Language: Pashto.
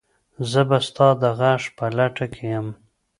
زه به ستا د غږ په لټه کې یم.